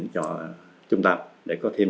cho trung tâm để có thêm